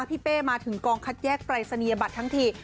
เป้มาถึงกองคัดแยกปรายศนียบัตรทั้งที